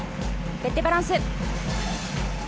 フェッテバランス。